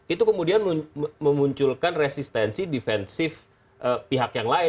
itu kemudian memunculkan resistensi defensif pihak yang lain